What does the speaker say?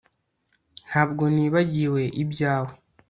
Ntabwo nibagiwe ibyawe